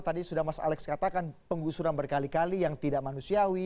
tadi sudah mas alex katakan penggusuran berkali kali yang tidak manusiawi